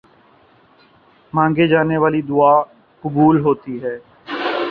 مانگی جانے والی دعا قبول ہوتی ہے۔